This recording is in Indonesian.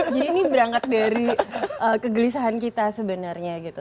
jadi ini berangkat dari kegelisahan kita sebenarnya gitu